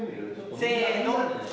せの。